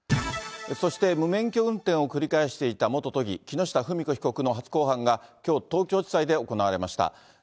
そして無免許運転を繰り返していた元都議、木下富美子被告の初公判がきょう、東京地裁で行われました。